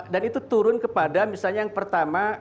dan itu turun kepada misalnya yang pertama